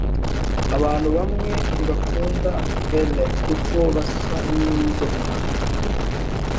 Abantu bamwe ntibakunda eel kuko basa ninzoka.